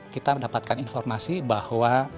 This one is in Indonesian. kita mendapatkan informasi bahwa